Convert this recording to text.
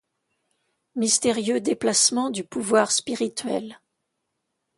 Mystérieux déplacement du pouvoir spirituel.